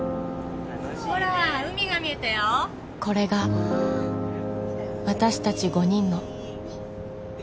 ［これが私たち５人の］